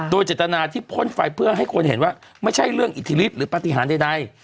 โดยเจตนาที่พ่นไฟเพื่อให้คนเห็นว่าไม่ใช่เรื่องอิทธิฤทธิหรือปฏิหารใด